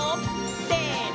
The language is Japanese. せの！